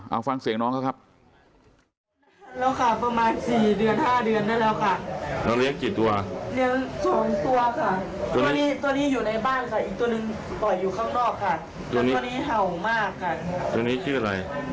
เอาฟังเสียงน้องเขาครับ